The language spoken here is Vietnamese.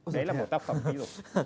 đấy là một tác phẩm kích dục